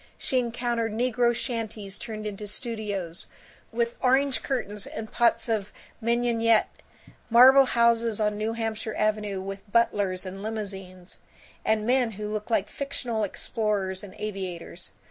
She encountered negro shanties turned into studios, with orange curtains and pots of mignonette; marble houses on New Hampshire Avenue, with butlers and limousines; and men who looked like fictional explorers and aviators.